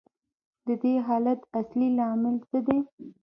د دې حالت اصلي لامل څه دی